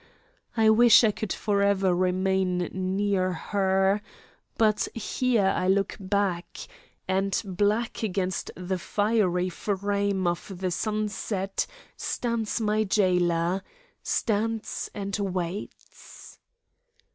I wish I could forever remain near her, but here I look back and black against the fiery frame of the sunset stands my jailer, stands and waits.